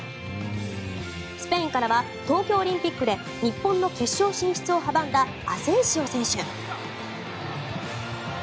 スペインからは東京オリンピックで日本の決勝進出を阻んだアセンシオ選手。